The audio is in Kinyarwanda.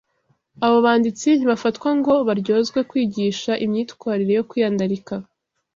Abo banditsi ntibafatwa ngo baryozwe kwigisha imyitwarire yo kwiyandarika